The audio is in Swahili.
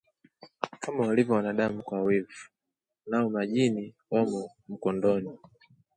Kama walivyo wanadamu kwa wivu, nao majini wamo mkondoni